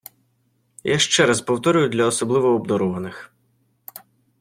Я ще раз повторюю для особливо обдарованих.